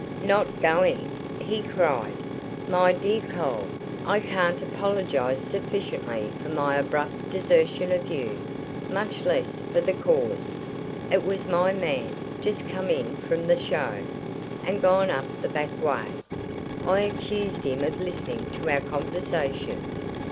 "Not going?" he cried. "My dear Cole, I can't apologize sufficiently for my abrupt desertion of you, much less for the cause. It was my man, just come in from the show, and gone up the back way. I accused him of listening to our conversation.